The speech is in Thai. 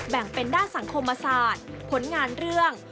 แบ่งเป็นด้านสังคมศาสตร์ผลงานเรื่อง